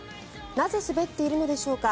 なぜ、滑っているのでしょうか。